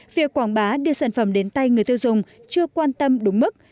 việc quảng bá đưa sản phẩm đến tay người tiêu dùng chưa quan tâm đúng mức